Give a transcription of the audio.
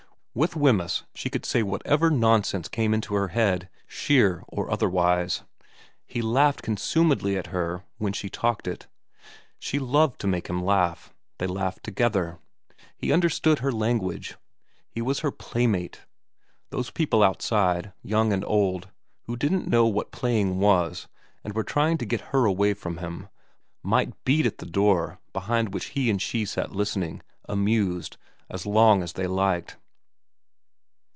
With Wemyss she could say whatever nonsense came into her head, sheer or otherwise. He laughed consumedly at her when she talked it. She loved to make him laugh. They laughed together. He understood her language. He was her playmate. Those people outside, old and young, who didn't know what playing was and were trying to get her away from him, might beat at the door behind which he and she sat listening, amused, as long as they liked.